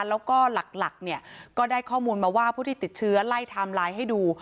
แล้วก็หลักเนี่ยก็ได้ข้อมูลมาว่าผู้ที่ติดเชื้อไล่ไทม์ไลน์ให้ดู